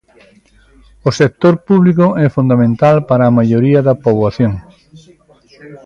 O sector público é fundamental para a maioría da poboación.